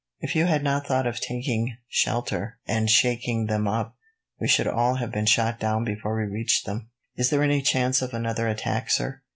"If you had not thought of taking shelter, and shaking them up, we should all have been shot down before we reached them. "Is there any chance of another attack, sir?"